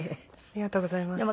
ありがとうございます。